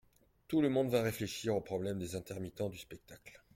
Tout le monde va réfléchir au problème des intermittents du spectacle.